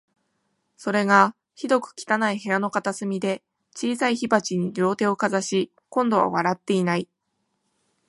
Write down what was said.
それが、ひどく汚い部屋の片隅で、小さい火鉢に両手をかざし、今度は笑っていない